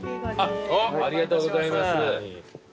ありがとうございます。